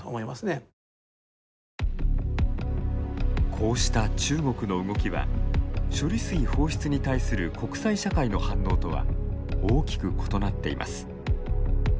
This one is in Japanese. こうした中国の動きは処理水放出に対する国際社会の反応とは大きく異なっています。